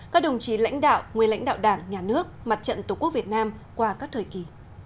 các đồng chí lãnh đạo nguyên lãnh đạo đảng nhà nước mặt trận tổ quốc việt nam qua các thời kỳ